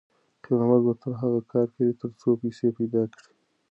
خیر محمد به تر هغو کار کوي تر څو پیسې پیدا کړي.